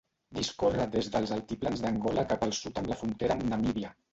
Discorre des dels altiplans d’Angola cap al sud amb la frontera amb Namíbia.